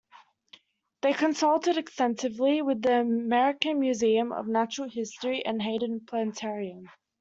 They consulted extensively with the American Museum of Natural History and the Hayden Planetarium.